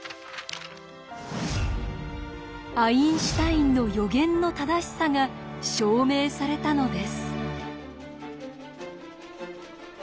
アインシュタインの予言の正しさが証明されたのです。